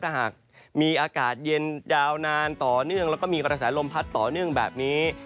ถ้าหากมีอากาศเย็นยาวนานต่อเนื่องแล้วก็มีกระแสลมพัดต่อเนื่องแบบนี้